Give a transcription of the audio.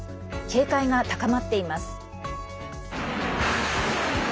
警戒が高まっています。